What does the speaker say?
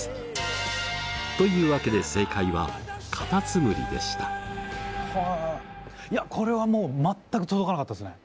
というわけでいやこれはもう全く届かなかったですね。